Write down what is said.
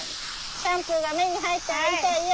シャンプーが目に入ったら痛いよ。